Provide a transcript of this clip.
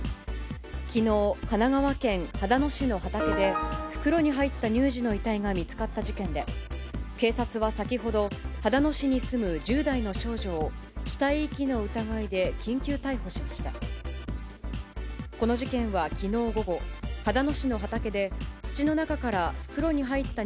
きのう、神奈川県秦野市の畑で、袋に入った乳児の遺体が見つかった事件で、警察は先ほど、秦野市に住む１０代の少女を、死体遺棄の疑いで緊急逮捕しました。